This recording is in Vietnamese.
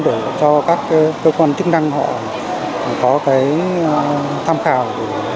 để cho các cơ quan chức năng họ có cái tham khảo